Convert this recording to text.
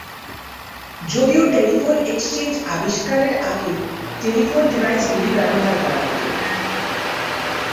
যদিও telephone exchange আবিষ্কারের আগে টেলিফোন ডিভাইসগুলি ব্যবহার করা হত।